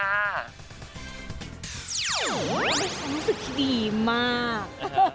มันเป็นความรู้สึกที่ดีมาก